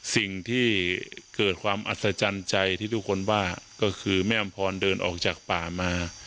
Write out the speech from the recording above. สิ่งที่เกิดความอัศจรรย์ใจที่ทุกคนว่าก็คือแม่อำพรเดินออกจากป่ามา